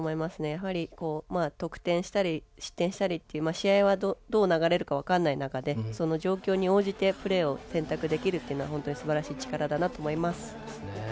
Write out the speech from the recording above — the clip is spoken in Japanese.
やっぱり、得点したり失点したりっていう試合は、どう流れるか分からない中でその状況に応じてプレーを選択できるのはすばらしい力だなと思います。